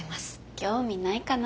興味ないかな？